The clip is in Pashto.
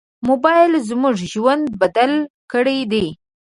موبایل زموږ ژوند بدل کړی دی.